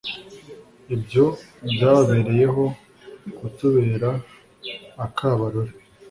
ibyo byababereyeho kutubera akabarore